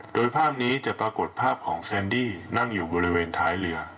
โดยภาพนี้จะปรากฏภาพของแซนดี้นั่งอยู่บริเวณท้ายเรือ